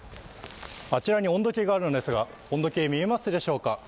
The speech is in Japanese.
あちらに温度計があるんですが、見えますでしょうか。